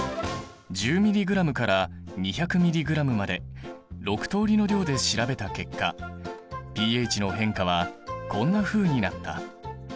１０ｍｇから２００ｍｇまで６通りの量で調べた結果ｐＨの変化はこんなふうになった。